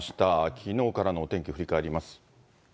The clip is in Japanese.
きのうからのお天気振り返ります。